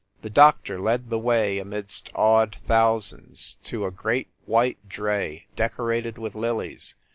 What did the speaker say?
The doctor led the way, amidst awed thousands, to a great white dray, decorated with lilies.